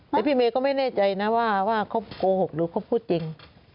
แต่พี่เมย์ก็ไม่แน่ใจนะว่าเขาโกหกหรือเขาพูดจริง